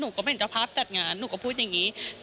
หนูก็เป็นเจ้าพัพจัดงาน